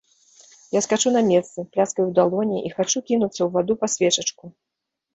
Я скачу на месцы, пляскаю ў далоні і хачу кінуцца ў ваду па свечачку.